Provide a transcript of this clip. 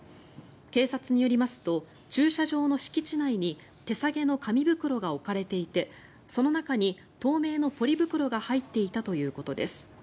警察によりますと駐車場の敷地内に手提げの紙袋が置かれていてその中に透明のポリ袋が入っていたということです。